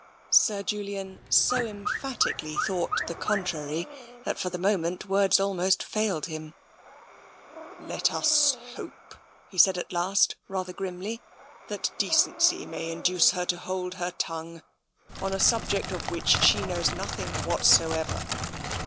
" Sir Julian so emphatically thought the contrary that for the moment words almost failed him. " Let us hope," he said at last, rather grimly, " that decency may induce her to hold her tongue on a sub ject of which she knows nothing whatsoever."